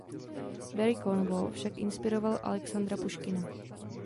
Barry Cornwall však inspiroval Alexandra Puškina.